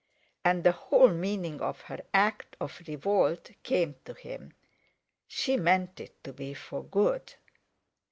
And the whole meaning of her act of revolt came to him. She meant it to be for good.